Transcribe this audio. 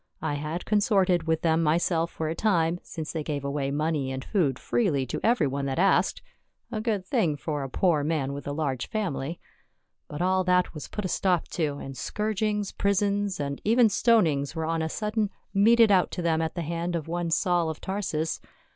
I had consorted with them myself for a time, since they gave away money and food freely to everj' one that asked — a good thing for a poor man with a large family. But all that was put a stop to, and scourgings, prisons, and even stonings were on a sudden meted out to them at the hand of one Saul of Tarsus.